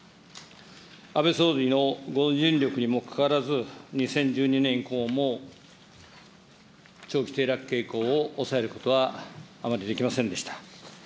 安倍総理のご尽力にもかかわらず、２０１２年以降も長期低落傾向を抑えることはあまりできませんでした。